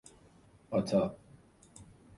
آتا